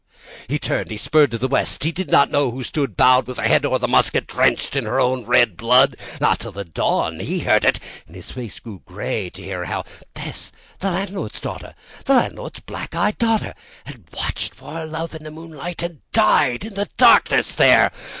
He turned, he spurred to the West; he did not know who stood Bowed, with her head o'er the casement, drenched in her own red blood! Not till the dawn did he hear it, and his face grew grey to hear How Bess, the landlord's daughter, The landlord's black eyed daughter, Had watched for her love in the moonlight, and died in the darkness there.